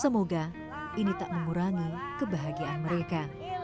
semoga ini tak mengurangi kebahagiaan mereka